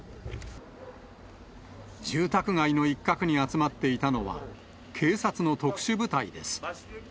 住宅街の一角に集まっていたのは、警察の特殊部隊です。